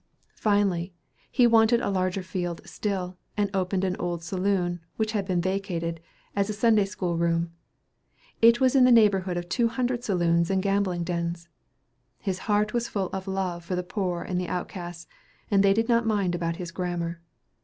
Finally he wanted a larger field still, and opened an old saloon, which had been vacated, as a Sunday school room. It was in the neighborhood of two hundred saloons and gambling dens! His heart was full of love for the poor and the outcasts, and they did not mind about his grammar.